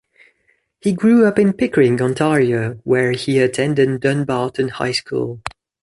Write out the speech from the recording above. He grew up in Pickering, Ontario, where he attended Dunbarton High School.